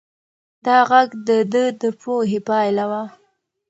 دا غږ د ده د پوهې پایله وه.